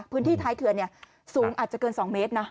พื้นที่ท้ายเขื่อนสูงอาจจะเกิน๒เมตรนะ